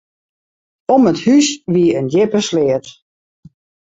Om it hús wie in djippe sleat.